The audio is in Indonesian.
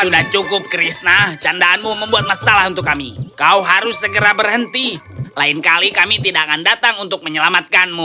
sudah cukup krishna candaanmu membuat masalah untuk kami kau harus segera berhenti lain kali kami tidak akan datang untuk menyelamatkanmu